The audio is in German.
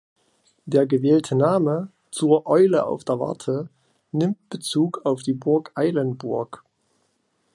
Der gewählte Name "Zur Eule auf der Warte" nimmt Bezug auf die Burg Eilenburg.